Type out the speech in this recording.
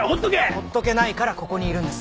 ほっとけないからここにいるんです。